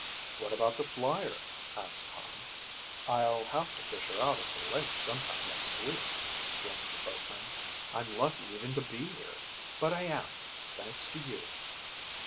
"What about the Flyer?" asked Tom. "I'll have to fish her out of the lake sometime next week," grinned the boatman. "I'm lucky even to be here, but I am, thanks to you."